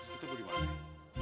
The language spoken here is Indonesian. itu gue dimana